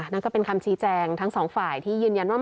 นั่นก็เป็นคำชี้แจงทั้งสองฝ่ายที่ยืนยันว่า